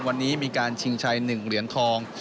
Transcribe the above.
วันนี้มีการชิงชัย๑เหรียญทอง